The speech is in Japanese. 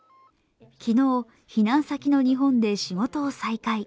昨日、避難先の日本で仕事を再開。